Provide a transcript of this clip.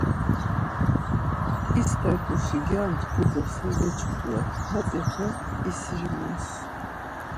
İstert̆uşi gyantxu do xe geçu doren, hatzi xe isrimoms.